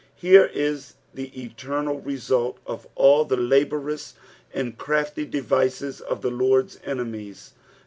Here is the eternal result of all the laborious and crafty devices of the Lord's enemies.